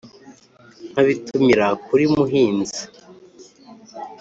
nkabitumira kuri muhinzi